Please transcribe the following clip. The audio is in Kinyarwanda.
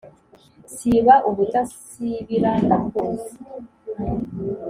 siba ubudasubira ndakuzi